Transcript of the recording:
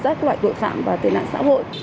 các loại tội phạm và tệ nạn xã hội